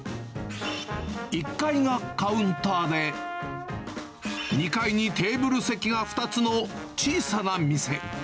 １階がカウンターで、２階にテーブル席が２つの小さな店。